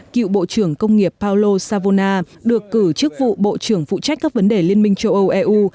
cựu bộ trưởng công nghiệp paolo savona được cử trước vụ bộ trưởng phụ trách các vấn đề liên minh châu âu eu